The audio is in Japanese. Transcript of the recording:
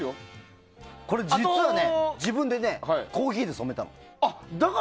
これ、実は自分でコーヒーで染めたの。